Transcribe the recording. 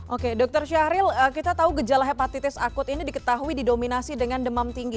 oke dokter syahril kita tahu gejala hepatitis akut ini diketahui didominasi dengan demam tinggi